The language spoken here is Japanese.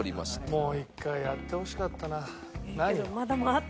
もう一回やってほしかったな。